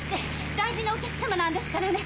大事なお客さまなんですからね